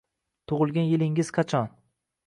Tug’ilgan yilingiz qachon?